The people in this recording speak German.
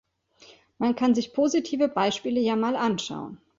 Man kann sich positive Beispiele ja mal anschauen.